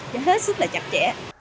cho hết sức là chặt chẽ